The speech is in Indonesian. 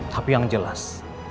tapi yang jelas